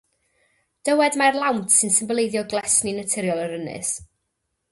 Dywed mai'r lawnt sy'n symboleiddio glesni naturiol yr ynys.